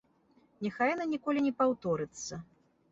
Няхай яна ніколі не паўторыцца!